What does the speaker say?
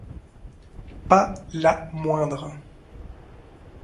Pas la moindre.